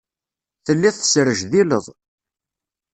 Telliḍ tesrejdileḍ.